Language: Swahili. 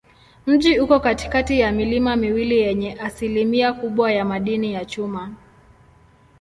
Mji uko katikati ya milima miwili yenye asilimia kubwa ya madini ya chuma.